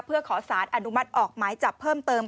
เพื่อขอสารอนุมัติออกหมายจับเพิ่มเติม